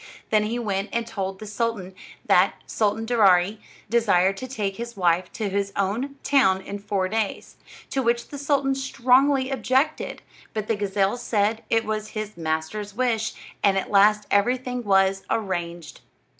Then he went and told the sultan that Sultan Daaraaee desired to take his wife to his own town in four days; to which the sultan strongly objected; but the gazelle said it was his master's wish, and at last everything was arranged.